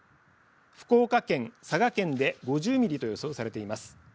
福岡県、佐賀県で５０ミリと予想されています。